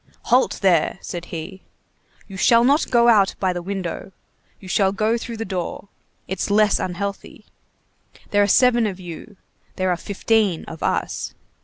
"Halt there," said he. "You shall not go out by the window, you shall go through the door. It's less unhealthy. There are seven of you, there are fifteen of us.